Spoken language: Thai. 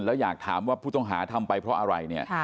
แล้วอยากถามว่าผู้ต้องหาทำไปเพราะอะไรเนี่ย